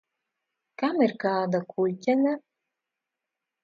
Kam ir kāda kuļķene?